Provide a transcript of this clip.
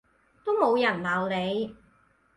都冇人鬧你